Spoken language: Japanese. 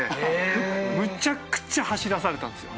むちゃくちゃ走らされたんですよ。